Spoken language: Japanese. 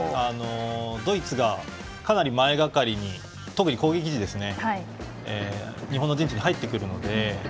ドイツがかなり前がかりに特に攻撃陣が日本の陣地に入ってくるので。